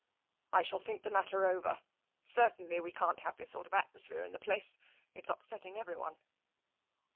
I shall think the matter over. Certainly we can't have this sort of atmosphere in the place. It's up setting everyone."